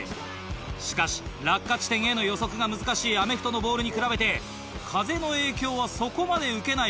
しかし落下地点への予測が難しいアメフトのボールに比べて風の影響はそこまで受けない